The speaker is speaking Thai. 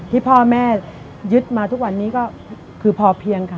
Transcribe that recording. ที่พ่อแม่ยึดมาทุกวันนี้ก็คือพอเพียงค่ะ